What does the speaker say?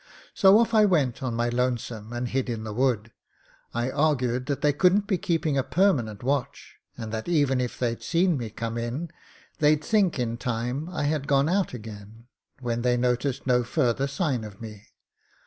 So off I went on my lonesome and hid in the wood. I argued that they couldn't be keeping a permanent watch, and that even if they'd seen me come in, they'd think in time I had gone out again, when they noticed no further sign of me.